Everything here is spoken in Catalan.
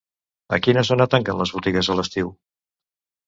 A quina zona tanquen les botigues a l'estiu?